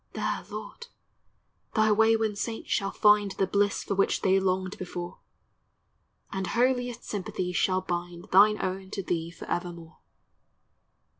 There, Lord, thy wayworn saints shall find The bliss for which they longed before ; And holiest sympathies shall bind Thine own to thee forevermore.